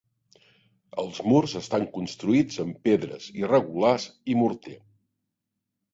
Els murs estan construïts amb pedres irregulars i morter.